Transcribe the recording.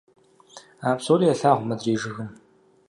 А псори елъагъу мыдрей жыгым.